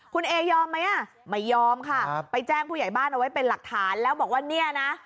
คุณเอยอมไหมอ่ะไม่ยอมค่ะไปแจ้งผู้ใหญ่บ้านเอาไว้เป็นหลักฐานแล้วบอกว่าเนี่ยนะ